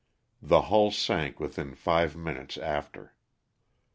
The hull sank within five minutes after.